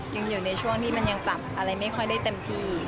ยังอยู่ในช่วงที่มันยังปรับอะไรไม่ค่อยได้เต็มที่